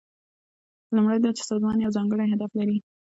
لومړی دا چې سازمان یو ځانګړی هدف لري.